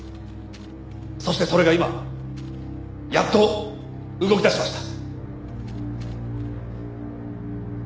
そしてそれが今やっと動きだしました。